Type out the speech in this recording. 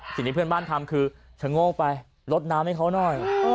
สิ่งที่เพื่อนบ้านทำคือชะโงกไปลดน้ำให้เขาหน่อย